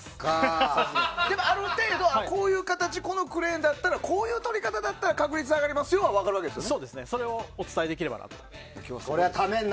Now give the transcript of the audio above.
でもある程度、こういう形このクレーンだったらこういうとり方だったら確率上がりますよが分かるわけですね。